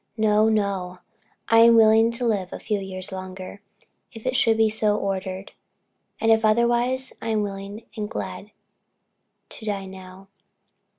No, no; I am willing to live a few years longer, if it should be so ordered; and if otherwise, I am willing and glad to die now.